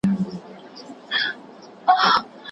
که مي هر څه په غپا یوسي خوبونه